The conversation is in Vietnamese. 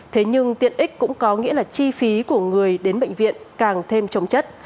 thế nhưng tiện ích cũng có nghĩa là chi phí của người đến bệnh viện càng thêm chống chất